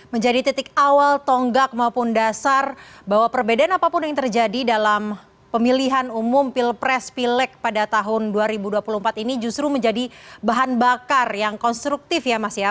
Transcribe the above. menjadi titik awal tonggak maupun dasar bahwa perbedaan apapun yang terjadi dalam pemilihan umum pilpres pilek pada tahun dua ribu dua puluh empat ini justru menjadi bahan bakar yang konstruktif ya mas ya